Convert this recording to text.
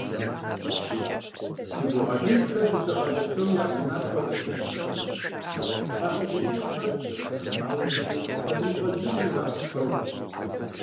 Си гукъэкӏыжхэр дыщэ къалэ псоми ябгынам хуэдэщ, къагъэзэжыну уапэплъэу, ауэ зыми къызэримыгъэзэжынур наӏуэу пщӏэуэ.